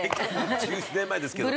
１７年前ですけど。